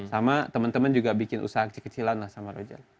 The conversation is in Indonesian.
sama temen temen juga bikin usaha kecil kecilan lah sama roger